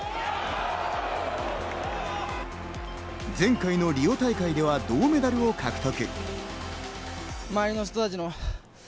前回のリオ大会では銅メダルを獲得。